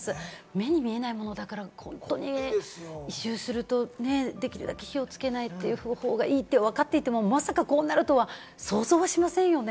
目に見えないものだから本当にね、異臭があれば、火をつけない方がいいってわかっていても、まさかこうなるとは想像しませんよね。